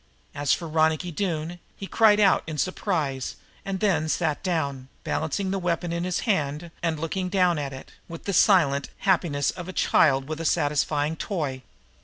As for Ronicky Doone, he cried out in surprise and then sat down, balancing the weapon in his hand and looking down at it, with the silent happiness of a child with a satisfying toy.